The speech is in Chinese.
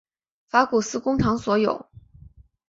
法古斯工厂所有。